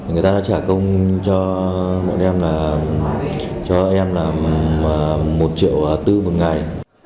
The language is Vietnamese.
người ta đã trả công cho bọn em là một triệu bốn phần ngày